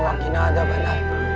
lalu dia jahat